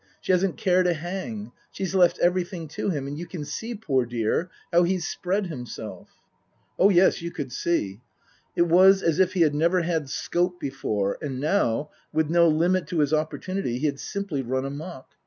She hasn't cared a hang. She's left everything to him. And you can see, poor dear, how he's spread himself." Oh, yes, you could see. It was as if he had never had scope before, and now, with no limit to his opportunity, he had simply run amok.